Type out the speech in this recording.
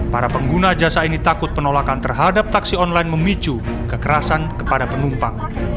para pengguna jasa ini takut penolakan terhadap taksi online memicu kekerasan kepada penumpang